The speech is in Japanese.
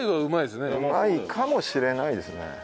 うまいかもしれないですね。